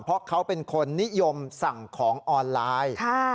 เพราะเขาเป็นคนนิยมสั่งของออนไลน์